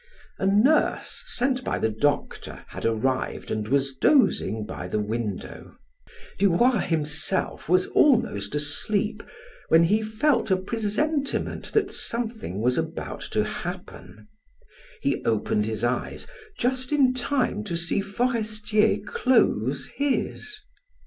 A nurse, sent by the doctor, had arrived and was dozing by the window. Duroy himself was almost asleep when he felt a presentiment that something was about to happen. He opened his eyes just in time to see Forestier close his.